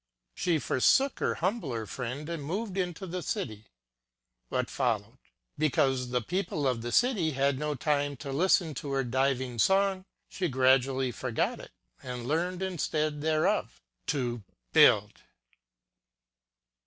She forsook her humbler friend and moved into the city. What followed ? Because the people of the city had no time to listen to her divine song she gradually forgot it, and learned, instead thereof, to build